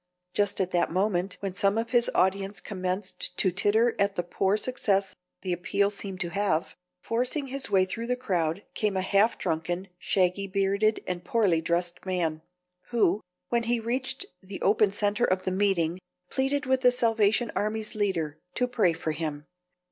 Just at the moment when some of his audience commenced to titter at the poor success the appeal seemed to have, forcing his way through the crowd came a half drunken, shaggy bearded and poorly dressed man, who, when he reached the open center of the meeting, pleaded with the Salvation Army's leader to pray for him.